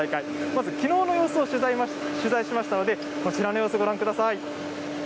まず、きのうの様子を取材しましたので、こちらの様子、ご覧ください。